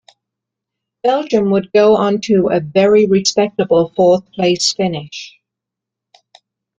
Belgium would go on to a very respectable fourth-place finish.